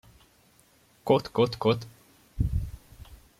Kot, kot, kot!